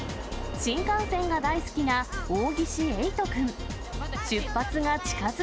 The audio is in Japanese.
新幹線が大好きな大岸映翔君。